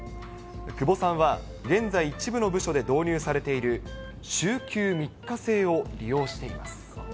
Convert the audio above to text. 久保さんは、現在、一部の部署で導入されている週休３日制を利用しています。